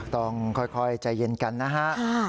ต้องค่อยใจเย็นกันนะฮะ